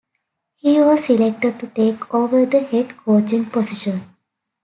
He was selected to take over the head coaching position.